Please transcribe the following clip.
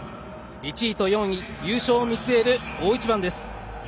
１位と４位優勝を見据える大一番です。